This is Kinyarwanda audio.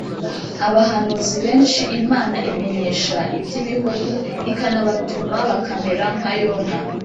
Abahanuzi benshi Imana imenyesha iby’ibihugu ikanabatuma bakamera nka Yona